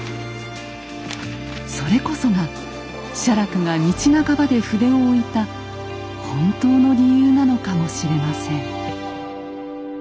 それこそが写楽が道半ばで筆をおいた本当の理由なのかもしれません。